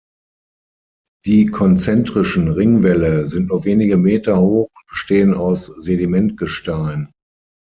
Die konzentrischen Ringwälle sind nur wenige Meter hoch und bestehen aus Sedimentgestein.